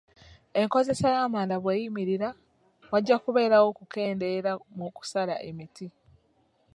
Enkozesa y'amanda bweyimirira, wajja kubeerawo okukendeera mu kusala emiti,